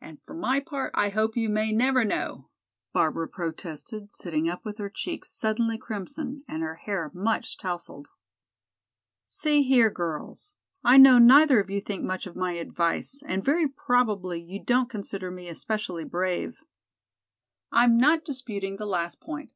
"And for my part I hope you may never know," Barbara protested, sitting up with her cheeks suddenly crimson and her hair much tousled. "See here, girls, I know neither of you think much of my advice, and very probably you don't consider me especially brave. I'm not disputing the last point.